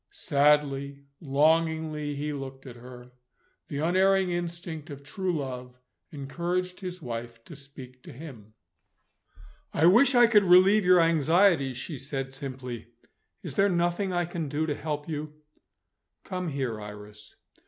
Sadly, longingly, he looked at her. The unerring instinct of true love encouraged his wife to speak to him. "I wish I could relieve your anxieties," she said simply. "Is there nothing I can do to help you?" "Come here, Iris."